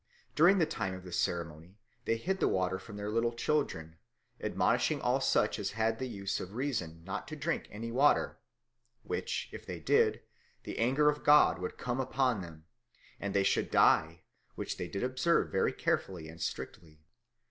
During the time of this ceremony they hid the water from their little children, admonishing all such as had the use of reason not to drink any water; which, if they did, the anger of God would come upon them, and they should die, which they did observe very carefully and strictly.